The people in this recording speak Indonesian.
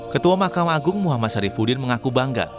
ketua makam agung muhammad syarifudin mengaku bangga